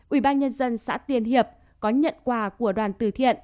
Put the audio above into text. ubnd xã tiên hiệp có nhận quà của đoàn từ thiện